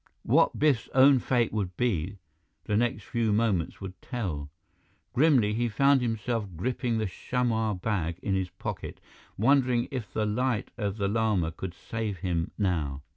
What Biff's own fate would be, the next few moments would tell. Grimly, he found himself gripping the chamois bag in his pocket, wondering if the Light of the Lama could save him now.